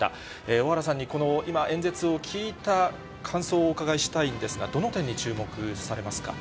小原さんに、この演説を聞いた感想をお伺いしたいんですが、どの点に注目されますか。